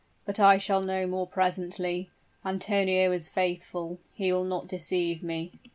But I shall know more presently. Antonio is faithful he will not deceive me!"